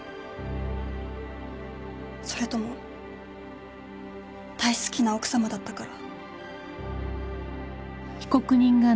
それとも大好きな奥さまだったから？